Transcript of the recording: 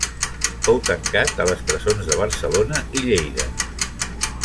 Fou tancat a les presons de Barcelona i Lleida.